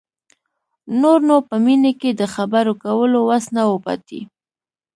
نور نو په مينې کې د خبرو کولو وس نه و پاتې.